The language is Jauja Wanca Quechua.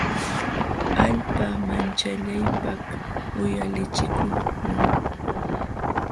Illpam manchaliypaq uyalichikuqlun.